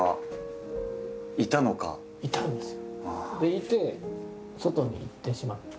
いて外に行ってしまった。